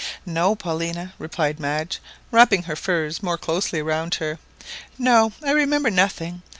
"No, Paulina," replied Madge, wrapping her furs more closely round her, "no, I remember nothing.